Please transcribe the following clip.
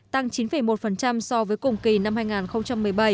tăng chín một so với cùng kỳ năm hai nghìn một mươi bảy